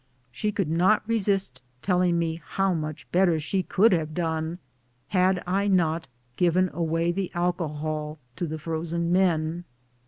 She could not re sist telling me how much better she could have done had I not given away the alcohol, to the frozen men